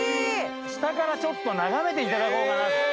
下からちょっと眺めていただこうかなと。